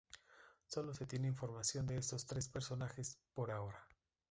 Solo se tiene información de estos tres personajes, por ahora.